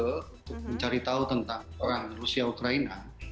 untuk mencari tahu tentang perang rusia ukraina